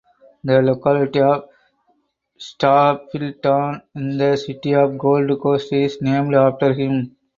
The locality of Stapylton in the City of Gold Coast is named after him.